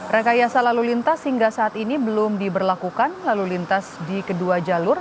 rekayasa lalu lintas hingga saat ini belum diberlakukan lalu lintas di kedua jalur